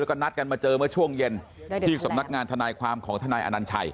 แล้วก็นัดกันมาเจอเมื่อช่วงเย็นที่สำนักงานทนายความของทนายอนัญชัย